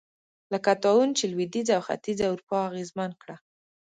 لکه طاعون چې لوېدیځه او ختیځه اروپا اغېزمن کړه.